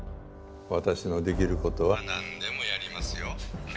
私のできる事はなんでもやりますよ。